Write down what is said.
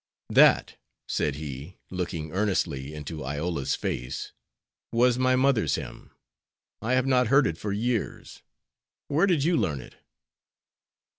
"That," said he, looking earnestly into Iola's face, "was my mother's hymn. I have not heard it for years. Where did you learn it?"